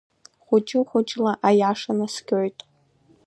Хәыҷы-хәыҷла аиаша наскьоит…